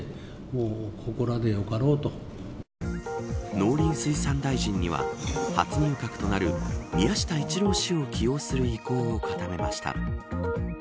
農林水産大臣には初入閣となる宮下一郎氏を起用する意向を固めました。